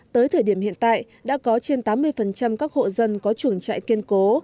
tới thời điểm hiện tại đã có trên tám mươi các hộ dân có chuồng trại kiên cố